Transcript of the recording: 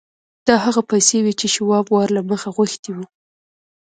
دا هغه پیسې وې چې شواب وار له مخه غوښتي وو